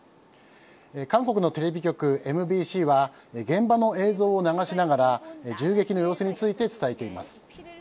韓国のテレビ局ＭＢＣは現場の映像を流しながら銃撃の様子について伝えています。